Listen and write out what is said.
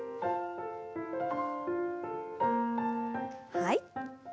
はい。